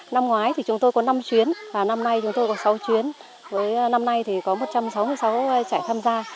năm ngoái thì chúng tôi có năm chuyến và năm nay chúng tôi có sáu chuyến với năm nay thì có một trăm sáu mươi sáu trải tham gia